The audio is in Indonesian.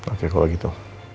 oke kalau gitu